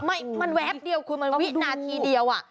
มันแวบเดียวคุณมันวินาทีเดียวอ่ะ